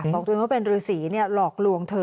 บอกว่าเป็นฤสีเนี่ยหลอกลวงเธอ